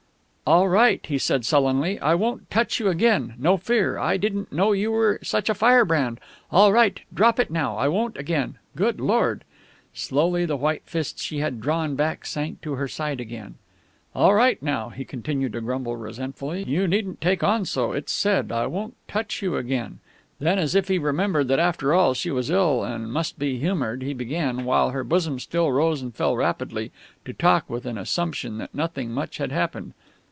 "All right," he said sullenly. "I won't touch you again no fear. I didn't know you were such a firebrand. All right, drop it now. I won't again. Good Lord!" Slowly the white fist she had drawn back sank to her side again. "All right now," he continued to grumble resentfully. "You needn't take on so. It's said I won't touch you again." Then, as if he remembered that after all she was ill and must be humoured, he began, while her bosom still rose and fell rapidly, to talk with an assumption that nothing much had happened.